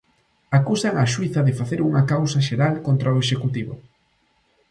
Acusan á xuíza de facer unha causa xeral contra o Executivo.